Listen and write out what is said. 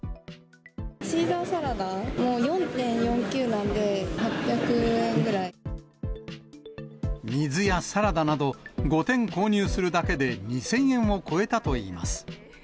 シーザーサラダも４．４９な水やサラダなど、５点購入するだけで、２０００円を超えたといいます。